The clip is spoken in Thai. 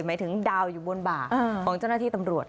หมายถึงดาวอยู่บนบ่าของเจ้าหน้าที่ตำรวจ